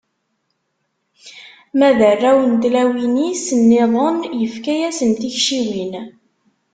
Ma d arraw n tlawin-is-nniḍen, ifka-asen tikciwin.